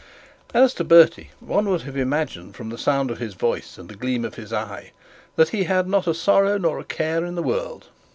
As to Bertie, one would have imagined from the sound of his voice and the gleam of his eye that he had not a sorrow nor a care in the world.